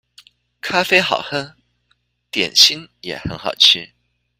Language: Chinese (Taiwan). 咖啡好喝，點心也很好吃